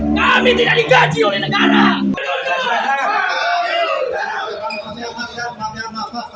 kami tidak digaji oleh negara